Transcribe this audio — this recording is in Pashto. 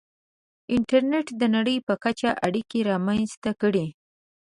• انټرنېټ د نړۍ په کچه اړیکې رامنځته کړې.